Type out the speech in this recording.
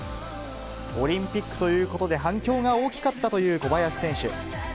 オリンピックということで反響が大きかったという小林選手。